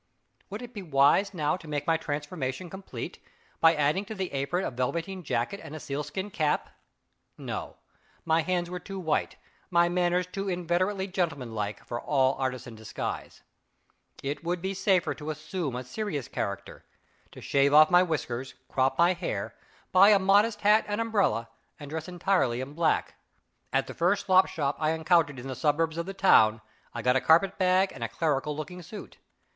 Would it be wise now to make my transformation complete, by adding to the apron a velveteen jacket and a sealskin cap? No: my hands were too white, my manners too inveterately gentleman like, for all artisan disguise. It would be safer to assume a serious character to shave off my whiskers, crop my hair, buy a modest hat and umbrella, and dress entirely in black. At the first slopshop I encountered in the suburbs of the town, I got a carpet bag and a clerical looking suit.